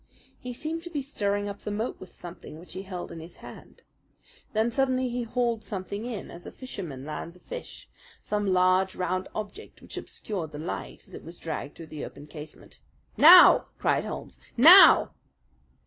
He seemed to be stirring up the moat with something which he held in his hand. Then suddenly he hauled something in as a fisherman lands a fish some large, round object which obscured the light as it was dragged through the open casement. "Now!" cried Holmes. "Now!"